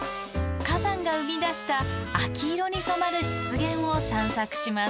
火山が生み出した秋色に染まる湿原を散策します。